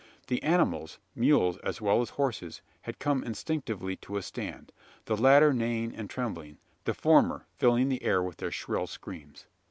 The animals mules as well as horses, had come instinctively to a stand the latter neighing and trembling the former filling the air with their shrill screams.